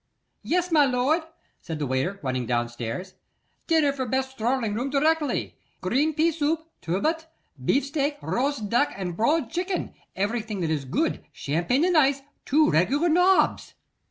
'Yes, my lord,' said the waiter, running down stairs. 'Dinner for best drawing room directly; green pea soup, turbot, beefsteak, roast duck and boiled chicken, everything that is good, champagne in ice; two regular nobs!